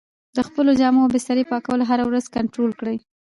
د خپلو جامو او بسترې پاکوالی هره ورځ کنټرول کړئ.